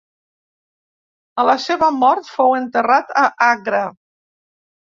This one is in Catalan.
A la seva mort fou enterrat a Agra.